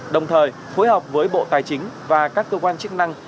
đồng thời phối hợp với bộ tài chính và các cơ quan chức năng